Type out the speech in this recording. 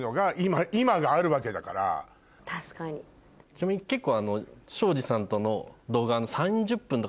ちなみに結構。